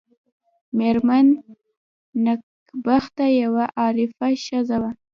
مېرمن نېکبخته یوه عارفه ښځه وه.